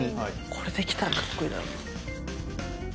これできたらかっこいいだろうな。